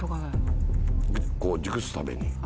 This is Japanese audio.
こう熟すために。